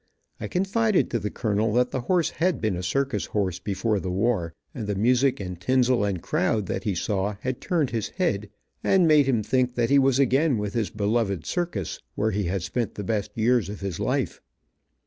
I confided to the colonel that the horse had been a circus horse before the war, and the music and tinsel, and crowd that he saw, had turned his head and made him think that he was again with his beloved circus, where he had spent the best years of his life.